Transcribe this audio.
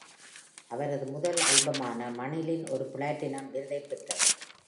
அவரது முதல் ஆல்பமான "மணிலின்" ஒரு பிளாட்டினம் விருதைப் பெற்றது.